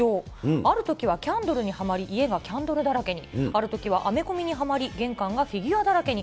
あるときはキャンドルにハマり、家がキャンドルだらけに、あるときはアメコミにはまり、玄関がフィギュアだらけに。